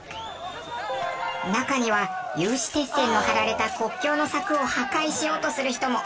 中には有刺鉄線の張られた国境の柵を破壊しようとする人も。